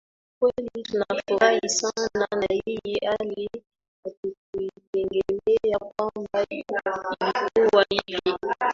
kweli tunafurahi sana na hii hali hatukuitegemea kwamba ilikuwa hivi